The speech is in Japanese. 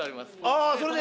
ああそれで。